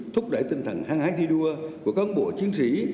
thúc đẩy tinh thần hăng hái thi đua của cán bộ chiến sĩ